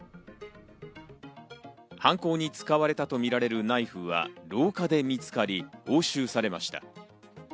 犯行に使われたとみられるナイフは、廊下で見つかり、押収されました。